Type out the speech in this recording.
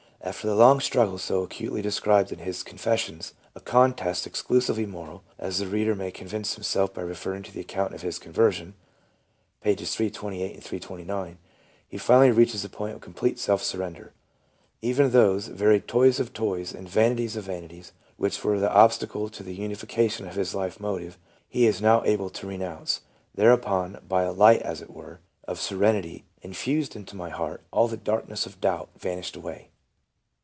After the long struggles so acutely described in his " Confes sions," — a contest exclusively moral, as the reader may con vince himself by refering to the account of his conversion, pp. 328 and 329, he finally reaches the point of complete self surrender. Even those " very toys of toys and vanities of vanities," which were the obstacle to the unification of his life motive, he is now able to renounce ; thereupon, " by a light, as it were, of serenity, infused into my heart, all the darkness of doubt vanished away."